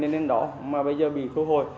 nên đến đó mà bây giờ bị thu hồi